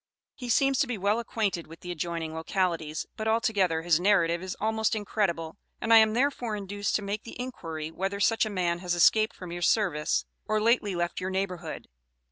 He seems to be well acquainted with the adjoining localities, but altogether his narrative is almost incredible, and I am therefore induced to make the inquiry whether such a man has escaped from your service or lately left your neighborhood.